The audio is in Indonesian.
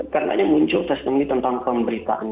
karena muncul tes ini tentang pemberitaan